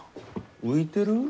浮いてる？